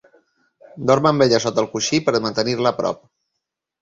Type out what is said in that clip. Dorm amb ella sota el coixí per mantenir-la a prop.